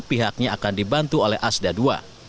pihaknya akan dibantu oleh asda ii